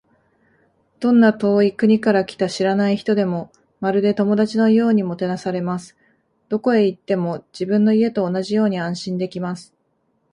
どんな遠い国から来た知らない人でも、まるで友達のようにもてなされます。どこへ行っても、自分の家と同じように安心できます。